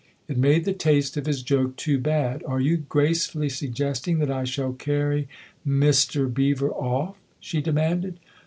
It made the taste of his joke too bad. "Are you gracefully suggesting that I shall carry Mr. Beever off?" she demanded.